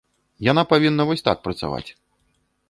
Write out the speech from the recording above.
Яна павінна вось так працаваць.